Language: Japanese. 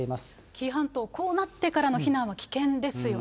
紀伊半島、こうなってからの避難は危険ですよね。